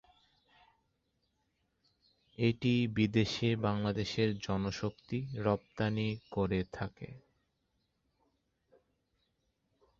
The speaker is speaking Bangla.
এটি বিদেশে বাংলাদেশের জনশক্তি রপ্তানি করে থাকে।